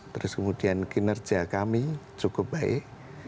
terus kemudian kinerja kami cukup baik